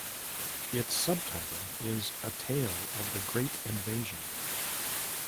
Its subtitle is "A Tale of the Great Invasion".